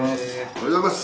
おはようございます。